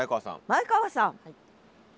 前川さん。